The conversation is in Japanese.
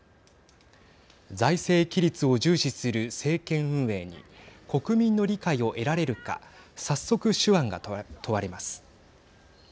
財政規律を重視する政権運営に国民の理解を得られるか早速、手腕が問われます。